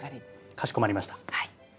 かしこまりました。